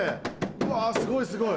うわすごいすごい。